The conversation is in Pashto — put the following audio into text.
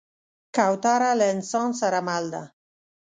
کوتره له انسان سره مل ده.